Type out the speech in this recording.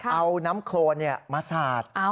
เอาน้ำโครนมาสาด